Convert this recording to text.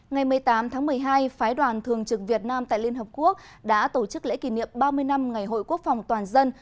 ngày một mươi tám tháng một mươi hai phái đoàn thường trực việt nam tại liên hợp quốc đã tổ chức lễ kỷ niệm ba mươi năm ngày hội quốc phòng toàn dân